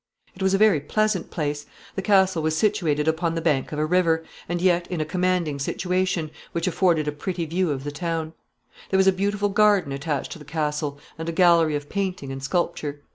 It was a very pleasant place. The castle was situated upon the bank of a river, and yet in a commanding situation, which afforded a pretty view of the town. There was a beautiful garden attached to the castle, and a gallery of painting and sculpture.